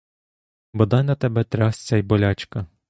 Бодай на тебе трясця й болячка!